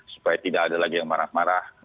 supaya tidak ada lagi yang marah marah